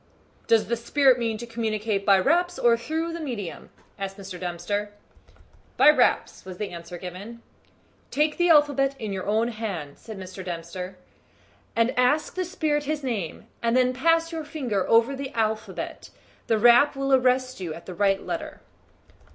"Does the spirit mean to communicate by raps or through the medium?" asked Mr. Dempster. "By raps," was the answer given. "Take the alphabet in your own hand," said Mr. Dempster, "and ask the spirit his name, and then pass your finger over the alphabet the rap will arrest you at the right letter."